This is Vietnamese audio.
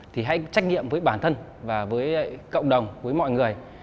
thì hãy trách nhiệm với bản thân và với cộng đồng với mọi người